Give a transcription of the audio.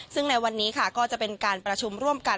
ซึ่งในวันนี้ค่ะก็จะเป็นการประชุมร่วมกัน